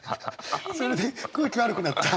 それで空気悪くなった？